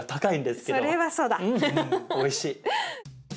おいしそ！